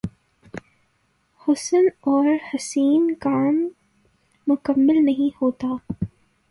حسن اور حسین کا کام مکمل نہیں ہوتا۔